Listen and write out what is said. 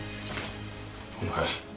お前